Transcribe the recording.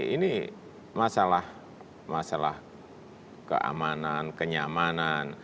ini masalah keamanan kenyamanan